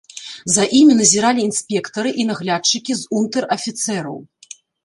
За імі назіралі інспектары і наглядчыкі з унтэр-афіцэраў.